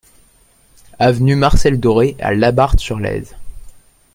Avenue Marcel Doret à Labarthe-sur-Lèze